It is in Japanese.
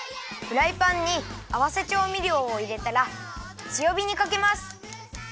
フライパンにあわせちょうみりょうをいれたらつよびにかけます。